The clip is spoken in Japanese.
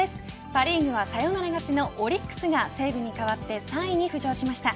パ・リーグはサヨナラ勝ちのオリックスが西武に替わって３位に浮上しました。